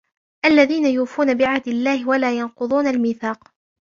الَّذِينَ يُوفُونَ بِعَهْدِ اللَّهِ وَلَا يَنْقُضُونَ الْمِيثَاقَ